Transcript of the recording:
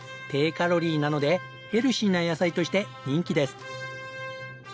低カロリーなのでヘルシーな野菜として人気です。